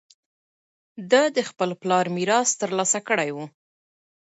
ده د خپل پلار میراث ترلاسه کړی و